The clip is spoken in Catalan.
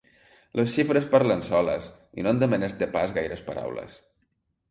Les xifres parlen soles i no han de menester pas gaires paraules.